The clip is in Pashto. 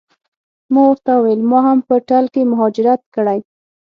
ما ورته وویل ما هم په ټل کې مهاجرت کړی.